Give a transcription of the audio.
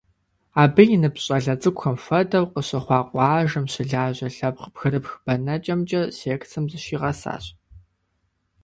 Абы и ныбжь щӏалэ цӏыкӏухэм хуэдэу, къыщыхъуа къуажэм щылажьэ лъэпкъ бгырыпх бэнэкӏэмкӏэ секцэм зыщигъэсащ.